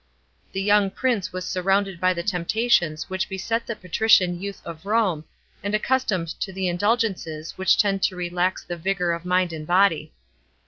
* The young prince was sunounded by the temptations whfch beset the pa'rician youth of Rome, and accustomed to the indulgences which tended to relax the vigour of mind and body.